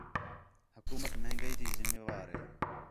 حکومت مہنگائی تی ذمہ وار ہے